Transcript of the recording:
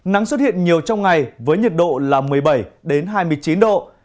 nắng xuất hiện nhiều trong ngày với nhiệt độ là một mươi bảy hai mươi chín độ